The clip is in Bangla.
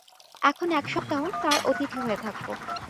এখন এক সপ্তাহ তাঁর অতিথি হয়ে থাকব।